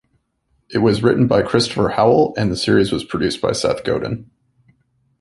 It was written by Christopher Howell, and the series was produced by Seth Godin.